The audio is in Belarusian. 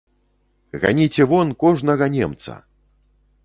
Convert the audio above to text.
Ганіце вон кожнага немца!